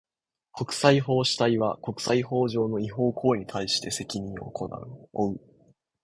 国際法主体は、国際法上の違法行為に対して責任を負う。